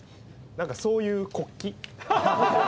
なんかそういう国旗。